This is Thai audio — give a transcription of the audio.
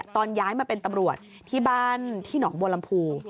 ตอนย้ายมาเป็นตำรวจที่บ้านที่หนองบัวลำพู